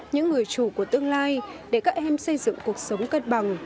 những người chủ của tương lai để các em xây dựng cuộc sống cân bằng